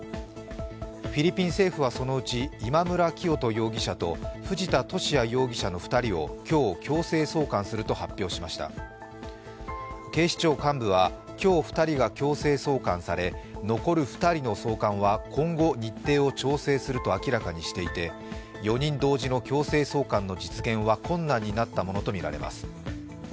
フィリピン政府はそのうち、今村磨人容疑者と藤田聖也容疑者の２人を今日、強制送還すると発表しました警視庁幹部は、今日２人が強制送還され残る２人の送還は今後、日程を調整すると明らかにしていて４人同時の強制送還の実現は困難になったものとみられます。